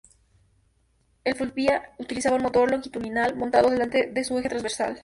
El Fulvia utilizaba un motor longitudinal montado delante de su eje transversal.